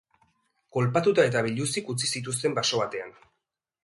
Kolpatuta eta biluzik utzi zituzten baso batean.